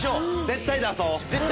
絶対出そう！